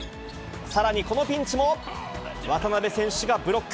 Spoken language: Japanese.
さらにこのピンチも、渡邊選手がブロック。